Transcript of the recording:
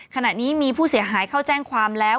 ขณะนี้มีผู้เสียหายเข้าแจ้งความแล้ว